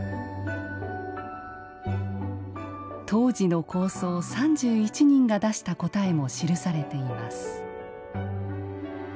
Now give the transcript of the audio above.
当時の高僧３１人が出した答えも記されています。